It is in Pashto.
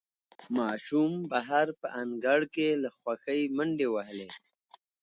ماشوم بهر په انګړ کې له خوښۍ منډې وهلې